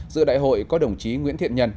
giữa đại hội có đồng chí nguyễn thiện nhân